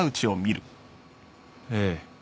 ええ。